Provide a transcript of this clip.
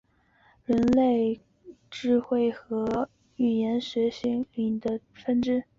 自然语言处理是人工智慧和语言学领域的分支学科。